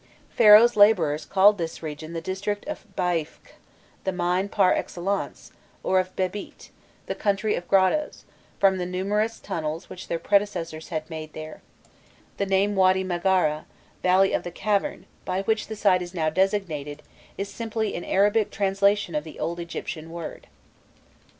Pharaoh's labourers called this region the district of Baîfc, the mine par excellence, or of Bebît, the country of grottoes, from the numerous tunnels which their predecessors had made there: the name Wady Maghara, Valley of the Cavern, by which the site is now designated, is simply an Arabic translation of the old Egyptian word.